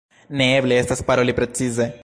Neeble estas paroli precize.